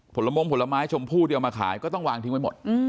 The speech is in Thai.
ผลมงผลไม้ชมพู่ที่เอามาขายก็ต้องวางทิ้งไว้หมด